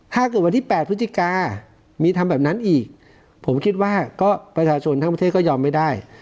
ถ้าเกิดวันที่๘พฤศจิกามีทำแบบนั้นอีกผมคิดว่าก็ประชาชนทั้งประเทศก็ยอมไม่ได้